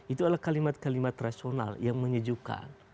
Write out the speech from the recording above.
itu adalah kalimat kalimat rasional yang menyejukkan